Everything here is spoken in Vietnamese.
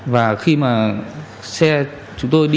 và khi mà xe chúng tôi đi